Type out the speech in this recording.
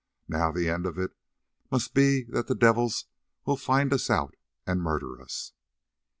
Now the end of it must be that the devils will find us out and murder us."